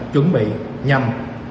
chuẩn bị nhằm